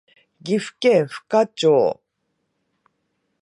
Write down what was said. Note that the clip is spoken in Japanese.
岐阜県富加町